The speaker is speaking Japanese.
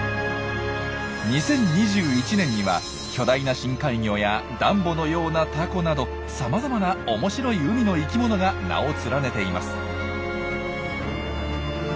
２０２１年には巨大な深海魚やダンボのようなタコなどさまざまな面白い海の生きものが名を連ねています。